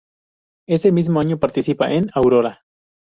Ese mismo año participa en "Aurora".